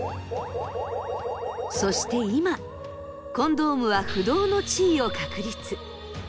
そして今コンドームは不動の地位を確立。